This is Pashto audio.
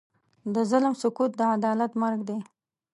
د ظلم سکوت، د عدالت مرګ دی.